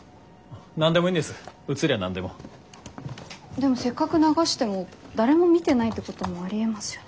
でもせっかく流しても誰も見てないってこともありえますよね。